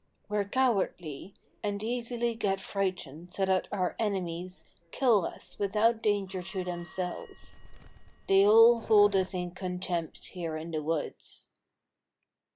We're cowardly, and easily get frightened so that our enemies kill us without danger to themselves. They all hold us in contempt here in the woods."